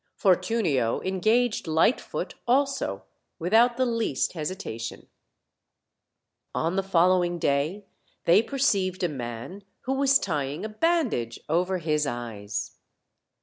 Fortunio engaged Lightfoot also, without the least hesitation. On the following day they perceived a man who was tying a bandage over his eyes.